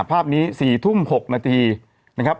ภาพนี้๔ทุ่ม๖นาทีนะครับ